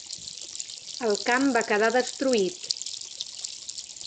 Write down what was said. El camp va quedar destruït.